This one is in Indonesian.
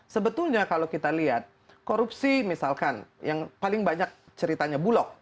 sebetulnya kalau kita lihat korupsi misalkan yang paling banyak ceritanya bulog